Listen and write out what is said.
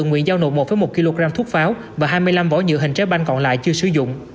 nguyện giao nộp một một kg thuốc pháo và hai mươi năm vỏ nhựa hình trái banh còn lại chưa sử dụng